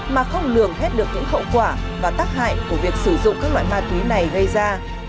mà không lường hết được những hậu quả và tác hại của việc sử dụng các loại ma túy này gây ra